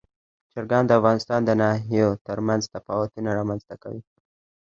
چرګان د افغانستان د ناحیو ترمنځ تفاوتونه رامنځ ته کوي.